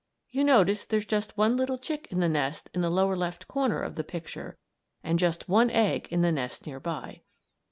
You notice there's just one little chick in the nest in the lower left hand corner of the picture, and just one egg in the nest near by.